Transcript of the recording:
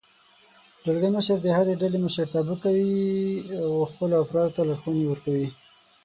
دلګی مشر د هرې ډلې مشرتابه کوي او خپلو افرادو ته لارښوونې ورکوي.